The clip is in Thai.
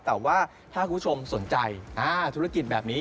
แต่ว่าถ้าคุณผู้ชมสนใจธุรกิจแบบนี้